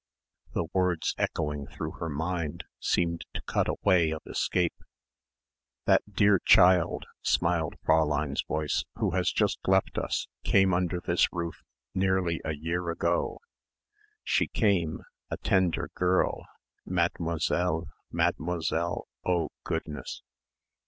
The words echoing through her mind seemed to cut a way of escape.... "That dear child," smiled Fräulein's voice, "who has just left us, came under this roof ... nearly a year ago. "She came, a tender girl (Mademoiselle Mademoiselle, oh, goodness!)